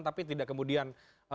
tapi tidak kemudian